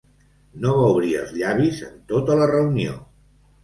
No va obrir els llavis en tota la reunió.